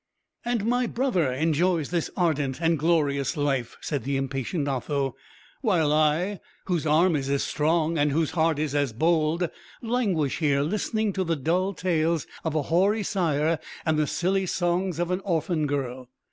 "And my brother enjoys this ardent and glorious life," said the impatient Otho; "while I, whose arm is as strong, and whose heart is as bold, languish here listening to the dull tales of a hoary sire and the silly songs of an orphan girl."